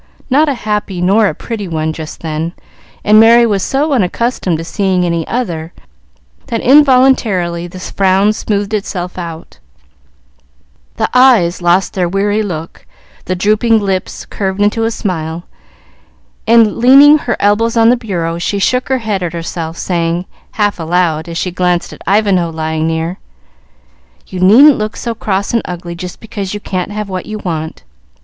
Not a happy nor a pretty one just then, and Merry was so unaccustomed to seeing any other, that involuntarily the frown smoothed itself out, the eyes lost their weary look, the drooping lips curved into a smile, and, leaning her elbows on the bureau, she shook her head at herself, saying, half aloud, as she glanced at Ivanhoe lying near, "You needn't look so cross and ugly just because you can't have what you want.